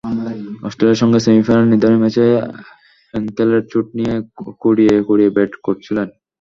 অস্ট্রেলিয়ার সঙ্গে সেমিফাইনাল নির্ধারণী ম্যাচে অ্যাঙ্কেলের চোট নিয়ে খুঁড়িয়ে খুঁড়িয়ে ব্যাট করছিলেন।